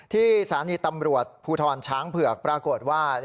ที่สถานีตำรวจภูทรช้างเผือกปรากฏว่า